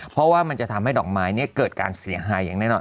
เพราะว่ามันจะทำให้ดอกไม้เกิดการเสียหายอย่างแน่นอน